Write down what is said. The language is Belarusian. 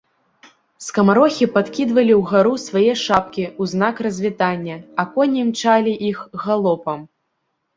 Скамарохі падкідвалі ўгару свае шапкі ў знак развітання, а коні імчалі іх галопам.